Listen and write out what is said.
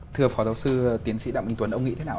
thưa phó giáo sư tiến sĩ đạo minh tuấn ông nghĩ thế nào ạ